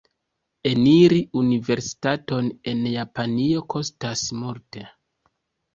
Eniri universitaton en Japanio kostas multe.